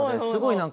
すごい。